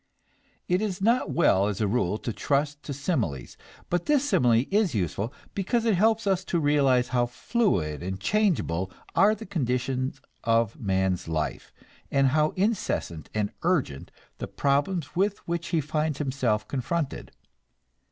It is not well as a rule to trust to similes, but this simile is useful because it helps us to realize how fluid and changeable are the conditions of man's life, and how incessant and urgent the problems with which he finds himself confronted.